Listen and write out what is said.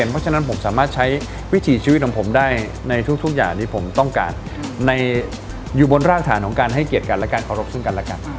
เพราะฉะนั้นผมสามารถใช้วิถีชีวิตของผมได้ในทุกอย่างที่ผมต้องการอยู่บนรากฐานของการให้เกียรติกันและการเคารพซึ่งกันและกัน